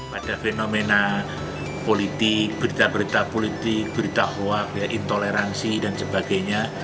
pada fenomena politik berita berita politik berita hoak intoleransi dan sebagainya